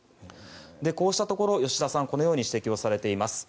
こうしたところ、吉田さんはこのように指摘をされています。